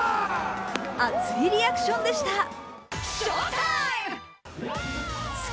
熱いリアクションでした。